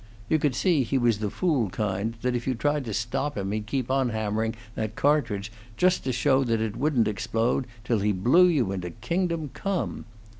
You could see he was the fool kind, that if you tried to stop him he'd keep on hammering that cartridge, just to show that it wouldn't explode, till he blew you into Kingdom Come.